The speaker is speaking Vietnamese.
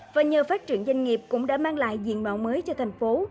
và nhờ phát triển doanh nghiệp cũng đã mang lại diện mạo mới cho thành phố